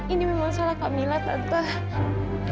ini memang salah kamila tante